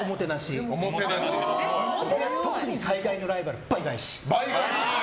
あと特に最大のライバルは「倍返し」。